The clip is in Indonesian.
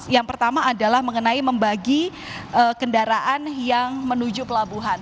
yang pertama adalah mengenai membagi kendaraan yang menuju pelabuhan